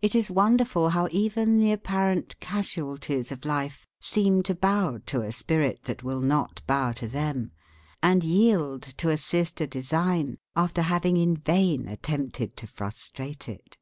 "It is wonderful how even the apparent casualties of life seem to bow to a spirit that will not bow to them, and yield to assist a design, after having in vain attempted to frustrate it."